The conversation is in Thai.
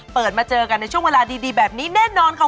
เปิดมาเจอกันในช่วงเวลาดีแบบนี้แน่นอนค่ะ